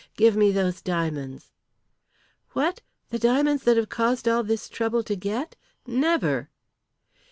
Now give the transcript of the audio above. Give me those diamonds." "What, the diamonds that have caused all this trouble to get. Never!"